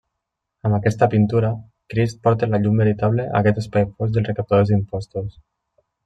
En aquesta pintura, Crist porta la llum veritable a aquest espai fosc dels recaptadors d'impostos.